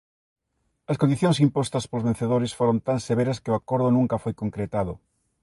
As condicións impostas polos vencedores foron tan severas que o acordo nunca foi concretado